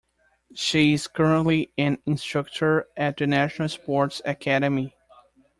She is currently an instructor at the National Sports Academy.